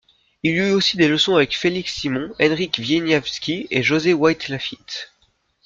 Il eut aussi des leçons avec Felix Simon, Henryk Wieniawski et José White Lafitte.